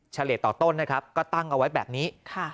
เฉลี่ยต่อต้นนะครับก็ตั้งเอาไว้แบบนี้